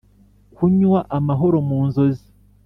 kunywa amahoro mu nzozi;